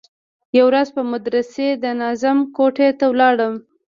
يوه ورځ د مدرسې د ناظم کوټې ته ولاړم.